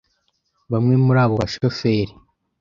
bamwe muri abo bashoferi